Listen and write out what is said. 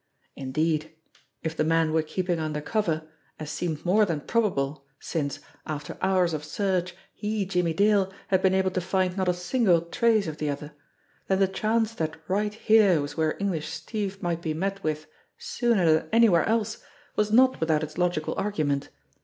Indeed 174 JIMMIE DALE AND THE PHANTOM CLUE if the man were keeping under cover, as seemed more than probable, since, after hours of search, he, Jimmie Dale, had been able to find not a single trace of the other, then the chance that right here was where English Steve might be met with sooner than anywhere else was not without its logical argument.